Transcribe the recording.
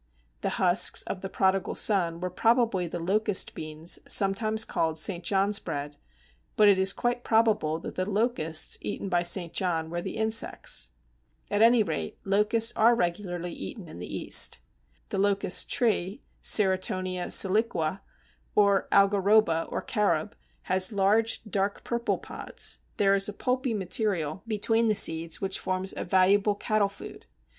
The husks of the prodigal son were probably the Locust beans, sometimes called St. John's bread, but it is quite probable that the "locusts" eaten by St. John were the insects. At any rate, locusts are regularly eaten in the East. The Locust Tree (Ceratonia siliqua), or Algaroba or Carob, has large, dark purple pods; there is a pulpy material between the seeds which forms a valuable cattle food.